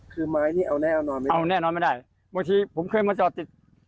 คือไม้นี่เอาแน่นอนไม่ได้เอาแน่นอนไม่ได้บางทีผมเคยมาจอดติด